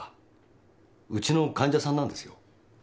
ウチの患者さんなんですよ。